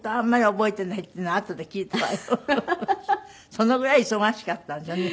そのぐらい忙しかったんですよね。